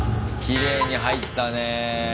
きれいに入ったねえ。